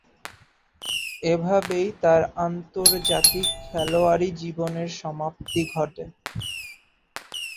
এভাবেই তার আন্তর্জাতিক খেলোয়াড়ী জীবনের সমাপ্তি ঘটে।